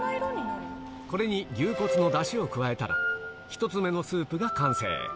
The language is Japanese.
これに牛骨のだしを加えたら、１つ目のスープが完成。